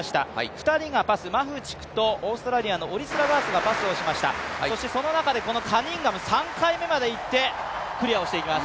２人がパス、マフチクとオリスラガース、パスをしました、そしてその中でカニンガム３回目までいってクリアをしていきます。